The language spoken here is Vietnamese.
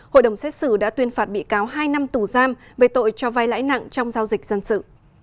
hội đồng xét xử đã tuyên phạt bị cáo hai năm tù giam về tội cho vai lãi nặng trong giao dịch dân sự